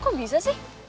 kok bisa sih